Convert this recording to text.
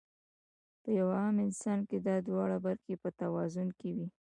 پۀ يو عام انسان کې دا دواړه برخې پۀ توازن کې وي -